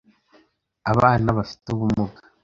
Abana bafite ubumuga